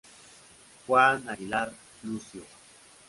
Juan Aguiar Lucio.